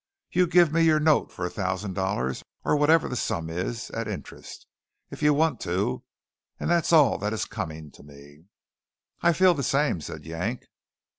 You give me your note for a thousand dollars or whatever the sum is at interest, if you want to, and that's all that is coming to me." "I feel the same," said Yank.